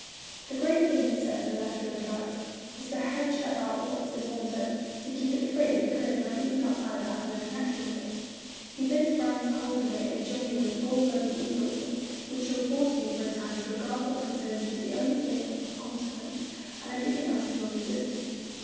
'The great thing,' he says in a letter of advice, 'is to hedge about what is one's own, to keep it free and clear from everything outside that has no connexion with it.' He bids Brandes cultivate 'a genuine, full blooded egoism, which shall force you for a time to regard what concerns you as the only thing of any consequence, and everything else as non existent.'